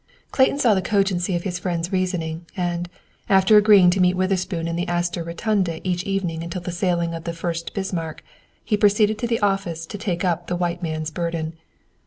Clayton saw the cogency of his friend's reasoning, and, after agreeing to meet Witherspoon in the Astor Rotunda each evening until the sailing of the "Fuerst Bismarck," he proceeded to the office to take up the white man's burden.